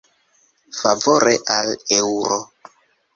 Favore al eŭro.